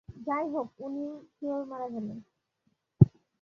যাই হোক, উনি কিভাবে মারা গেলেন?